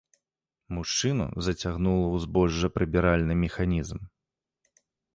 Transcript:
Мужчыну зацягнула ў збожжапрыбіральны механізм.